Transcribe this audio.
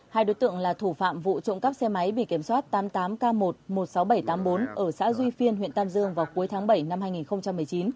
hai đối tượng là thủ phạm vụ trộm cắp xe máy bị kiểm soát tám mươi tám k một một mươi sáu nghìn bảy trăm tám mươi bốn ở xã duy phiên huyện tam dương vào cuối tháng bảy năm hai nghìn một mươi chín